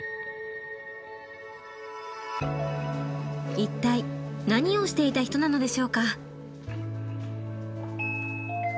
一体何をしていた人なのでしょうか？